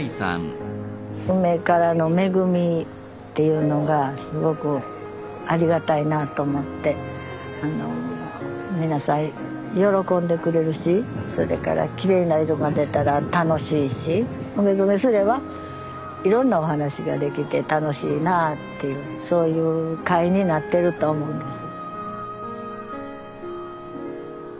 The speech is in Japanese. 梅からの恵みっていうのがすごくありがたいなと思って皆さん喜んでくれるしそれからきれいな色が出たら楽しいし梅染めすればいろんなお話ができて楽しいなあっていうそういう会になってると思います。